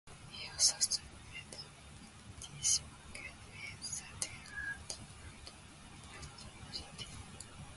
He also started practicing with the team at the Brandeis University facilities.